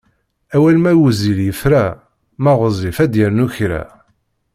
Awal ma wezzil yefra, ma ɣezzif ad d-yernu kra.